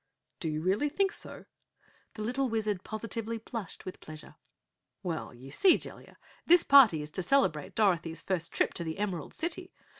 "Do you really think so?" The little Wizard positively blushed with pleasure. "Well, ye see, Jellia, this party is to celebrate Dorothy's first trip to the Emerald City.